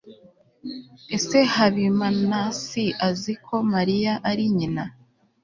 ese habimanaasi azi ko mariya ari nyina